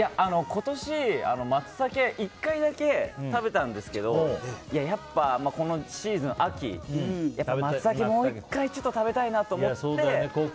今年、マツタケ１回だけ食べたんですけどやっぱ、シーズン、秋マツタケもう１回食べたいなと思って。